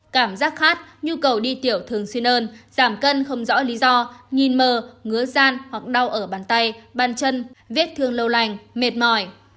cảm giác khát nhu cầu đi tiểu thường xuyên hơn giảm cân không rõ lý do nhìn mờ ngứa dan hoặc đau ở bàn tay ban chân vết thương lâu lành mệt mỏi